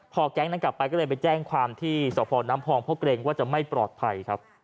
พอกแก๊งทางกลับไปไปแจ้งความที่ส่วนน้ำฮองเพราะเกรงว่าจะไม่ปลอดภัย